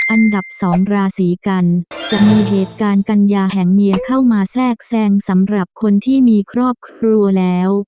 อันดับสองราศีกันจะมีเหตุการณ์กัญญาแห่งเมียเข้ามาแทรกแซงสำหรับคนที่มีครอบครัวแล้ว